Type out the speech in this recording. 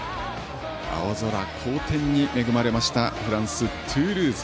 青空、好天に恵まれましたフランス・トゥールーズ。